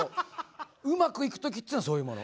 うまくいく時っていうのはそういうもの。